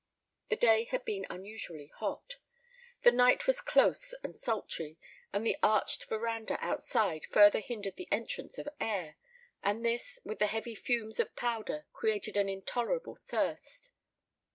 The day had been unusually hot. The night was close and sultry, and the arched verandah outside further hindered the entrance of air, and this, with the heavy fumes of powder, created an intolerable thirst.